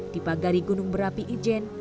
dipagari gunung berapi ijen